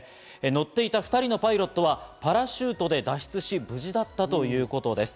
乗っていた２人のパイロットはパラシュートで脱出し、無事だったということです。